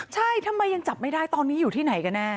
ใช่ทำไมยังจับไม่ได้ตอนนี้อยู่ที่ไหนกันแน่